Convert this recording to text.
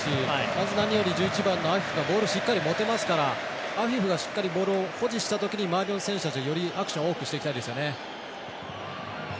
まず、何より１１番、アフィフがしっかりボールを持てますからアフィフがしっかりボールを保持したときに周りの選手たちがよりアクションを多くしていきたいですよね。